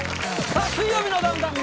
さあ「水曜日のダウンタウン」